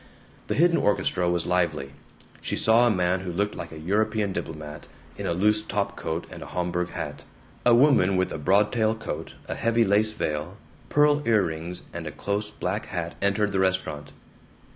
The hidden orchestra was lively. She saw a man who looked like a European diplomat, in a loose top coat and a Homburg hat. A woman with a broadtail coat, a heavy lace veil, pearl earrings, and a close black hat entered the restaurant.